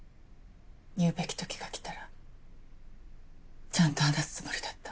言うべき時がきたらちゃんと話すつもりだった。